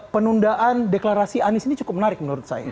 penundaan deklarasi anies ini cukup menarik menurut saya